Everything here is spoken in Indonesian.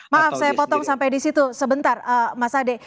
maaf saya potong sampai di situ sebentar mas ade